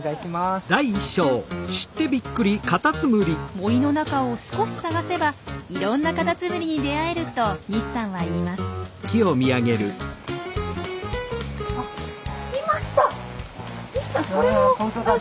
森の中を少し探せばいろんなカタツムリに出会えると西さんは言います。